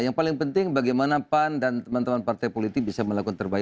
yang paling penting bagaimana pan dan teman teman partai politik bisa melakukan terbaik